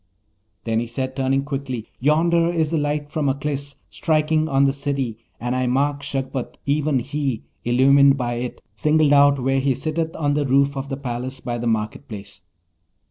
Then said he, turning quickly, 'Yonder is the light from Aklis striking on the city, and I mark Shagpat, even he, illumined by it, singled out, where he sitteth on the roof of the palace by the market place.'